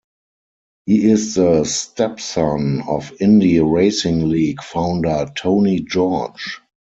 He is the stepson of Indy Racing League founder Tony George.